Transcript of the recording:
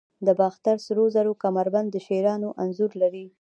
د باختر سرو زرو کمربند د شیرانو انځور لري